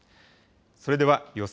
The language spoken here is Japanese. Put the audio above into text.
それでは予想